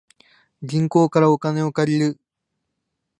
銀行からお金を借りる